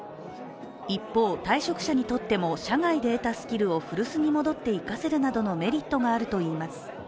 一方、退職者にとっても社外で得たスキルを古巣に戻って生かせるなどのメリットがあるといいます。